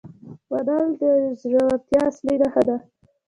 منل د زړورتیا اصلي نښه ده.